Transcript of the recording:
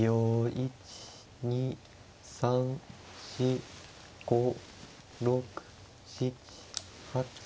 １２３４５６７８。